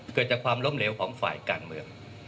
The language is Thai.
เกิดจากความล้มเหลวของฝ่ายการเมือง